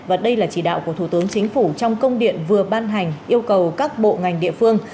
và đây là chỉ đạo của thủ tướng chính phủ trong công điện vừa ban hành yêu cầu các bộ ngành địa phương